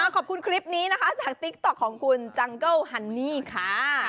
ขอบคุณคลิปนี้นะคะจากติ๊กต๊อกของคุณจังเกิลฮันนี่ค่ะ